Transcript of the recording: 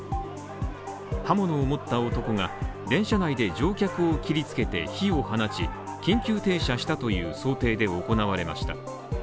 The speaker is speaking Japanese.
刃物を持った男が電車内で乗客を切りつけて火を放ち、緊急停車したという想定で行われました。